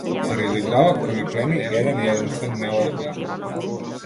Заради градот кој ме плени - еден и единствен, неодолив.